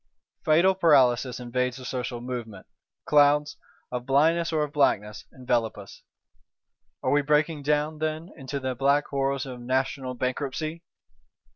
Fatal paralysis invades the social movement; clouds, of blindness or of blackness, envelop us: are we breaking down, then, into the black horrors of NATIONAL BANKRUPTCY?